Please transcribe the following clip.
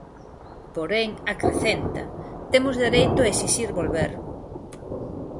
Porén, acrecenta, "temos dereito a exixir volver".